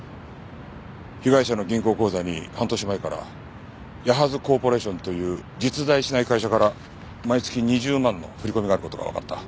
被害者の銀行口座に半年前からヤハズコーポレーションという実在しない会社から毎月２０万の振り込みがある事がわかった。